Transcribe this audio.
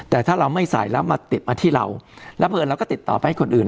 แต่ถ้าเราไม่ใส่แล้วมาติดมาที่เราแล้วเผื่อเราก็ติดต่อไปให้คนอื่น